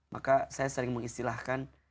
maka saya sering mengistilahkan